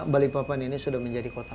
balikpapan ini sudah menjadi kota